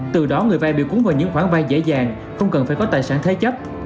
từ đó người vay bị cuốn vào những khoản vay dễ dàng không cần phải có tài sản thế chấp